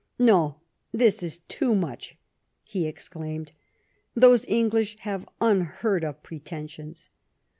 "No, this is too much!" he exclaimed, "those English have unheard of pretensions